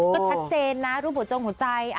ก็ชัดเจนนะรูปผู้ชมของใจ